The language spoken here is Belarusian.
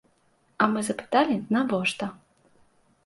А мы запыталі навошта.